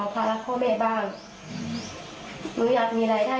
สงสารด้วยเพราะว่าหนูก็ร้องให้